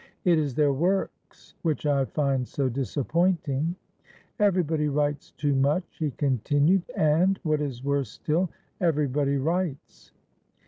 It is their works which I find so disappointing. Everybody writes too much," he con tinued, "and, what is worse still, everybody writes.